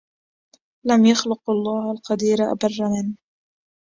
لم يخلق الله القدير أبر من